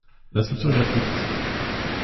L'inscription est gratuite.